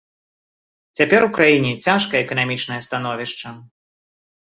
Цяпер у краіне цяжкае эканамічнае становішча.